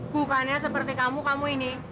bukannya seperti kamu kamu ini